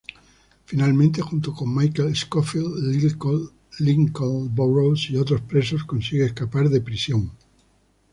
Finalmente, junto con Michael Scofield, Lincoln Burrows y otros presos, consigue escapar de prisión.